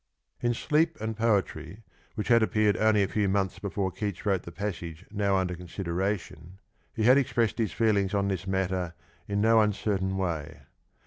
In Sleep and Poetry, which had appeared only a few months before Keats wrote the passage now under consideration,^ he had expressed his feelings on this matter in no uncertain way.